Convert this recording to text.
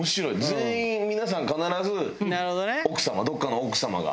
全員皆さん必ず奥様どこかの奥様が。